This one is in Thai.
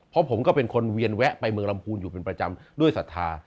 เพราะผมก็เป็นคนเวียนแวะไปเมืองลำพูนอยู่เป็นประจำด้วยศรัทธา